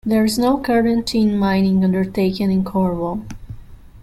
There is no current tin mining undertaken in Cornwall.